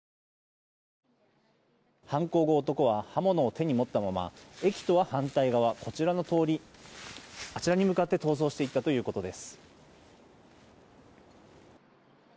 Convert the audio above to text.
犯行後、男は刃物を手に持ったまま駅とは反対側、こちらの通りあちらに向かって逃走していったということです。